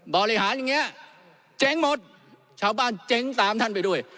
บริหารอย่างนี้เจ๊งหมดชาวบ้านเจ๊งตามท่านไปด้วย